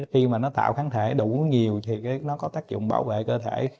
khi mà nó tạo kháng thể đủ uống nhiều thì nó có tác dụng bảo vệ cơ thể